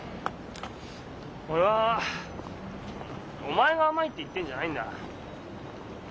俺はお前が甘いって言ってんじゃないんだ。